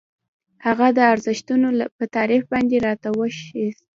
هغه د ارزښتونو په تعریف باندې راته اوښتي.